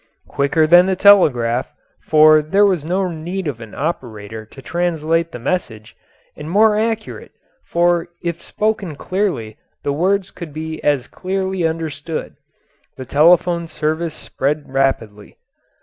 Quicker than the telegraph, for there was no need of an operator to translate the message, and more accurate, for if spoken clearly the words could be as clearly understood, the telephone service spread rapidly.